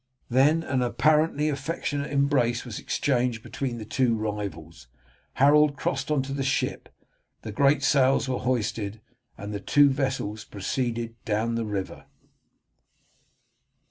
Then an apparently affectionate embrace was exchanged between the two rivals. Harold crossed on to the ship, the great sails were hoisted, and the two vessels proceeded down the river.